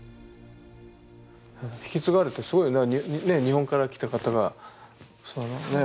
引き継がれてすごいねえ日本から来た方がそのねえバルセロナで。